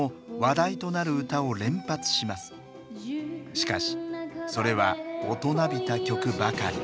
しかしそれは大人びた曲ばかり。